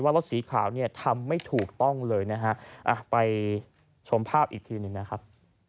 รถสีขาวเนี่ยทำไม่ถูกต้องเลยนะฮะไปชมภาพอีกทีหนึ่งนะครับ